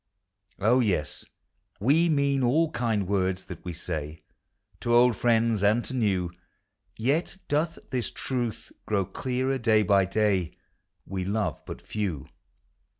On, yes, we mean all kind words that we say To old f i iends and to new; Yet doth this truth grow clearer day by day : We love but few.